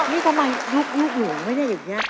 นี่ทำไมลูกหลวงไม่ได้อยู่แยะ